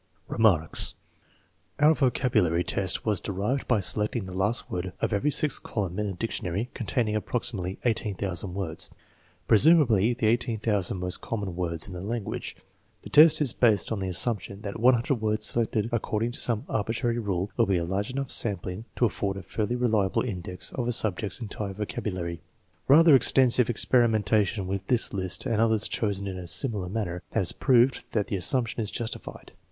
Remarks. Our vocabulary test was derived by selecting the last word of every sixth column in a dictionary con taining approximately 18,000 words, presumably the 18, 000 most common words in the language. The test is based on the assumption that 100 words selected according to some arbitrary rule will be a large enough sampling to afford a fairly reliable index of a subject's entire vocabu lary. Rather extensive experimentation with this list and others chosen in a similar manner has proved that the assumption is justified.